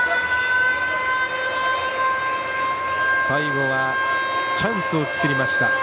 最後はチャンスを作りました。